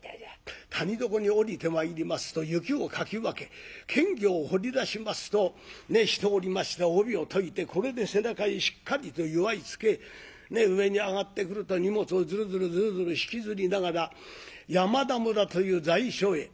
谷底に下りて参りますと雪をかき分け検校を掘り出しますとしておりました帯を解いてこれで背中にしっかりと結わい付け上にあがってくると荷物をズルズルズルズル引きずりながら山田村という在所へ。